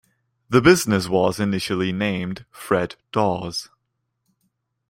The business was initially named Fred Dawes.